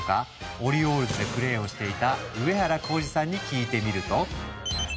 オリオールズでプレーをしていた上原浩治さんに聞いてみると。